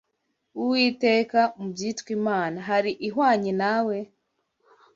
Uwiteka, mu byitwa Imana, hari ihwanye nawe?